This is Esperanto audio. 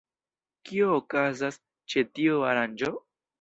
Kio okazas ĉe tiu aranĝo?